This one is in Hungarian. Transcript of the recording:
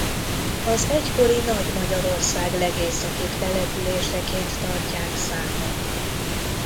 Az egykori Nagy-Magyarország legészakibb településeként tartják számon.